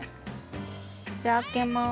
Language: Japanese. じゃあ開けます。